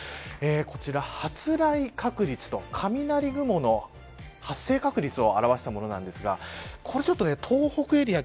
こちら、発雷確率と雷雲の発生確率を表したものですがこれちょっと東北エリア